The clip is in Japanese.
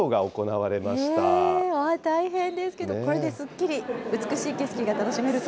うわー、大変ですけど、これですっきり、美しい景色が楽しめると。